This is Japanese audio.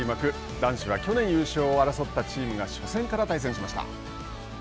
男子は去年優勝を争ったチームが初戦から対戦しました。